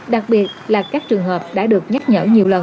đặc biệt là các trường hợp đã được nhắc nhở nhiều lần